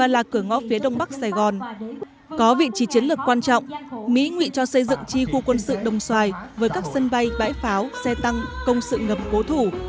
đồng xoài có vị trí chiến lược quan trọng mỹ nguyện cho xây dựng chi khu quân sự đồng xoài với các sân bay bãi pháo xe tăng công sự ngập cố thủ